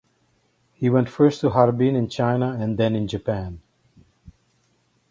He went first to Harbin in China and then in Japan.